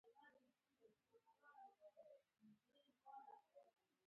د رستم او سهراب کیسه مشهوره ده